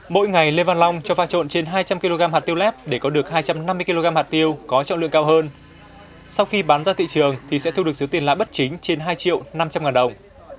mỗi ngày lê văn long cho pha trộn trên hai trăm linh kg hạt tiêu lép để có được hai trăm năm mươi kg hạt tiêu có trọng lượng cao hơn sau khi bán ra thị trường thì sẽ thu được số tiền là bất chính trên hai triệu năm trăm linh ngàn đồng